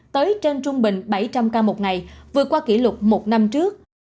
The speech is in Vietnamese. tới trên trung bình bảy trăm linh ca một ngày vừa qua kỷ lục một năm trước